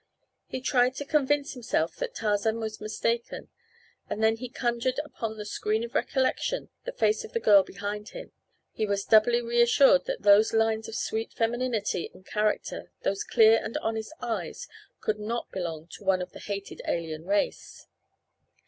He tried to convince himself that Tarzan was mistaken, and when he conjured upon the screen of recollection the face of the girl behind him, he was doubly reassured that those lines of sweet femininity and character, those clear and honest eyes, could not belong to one of the hated alien race.